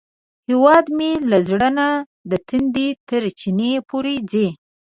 هیواد مې له زړه نه د تندي تر چینې پورې ځي